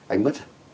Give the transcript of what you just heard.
anh mất rồi